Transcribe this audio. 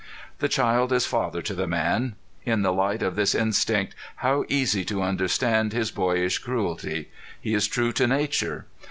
The child is father to the man. In the light of this instinct how easy to understand his boyish cruelty. He is true to nature.